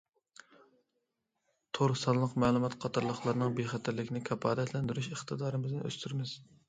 تور، سانلىق مەلۇمات قاتارلىقلارنىڭ بىخەتەرلىكىنى كاپالەتلەندۈرۈش ئىقتىدارىمىزنى ئۆستۈرىمىز.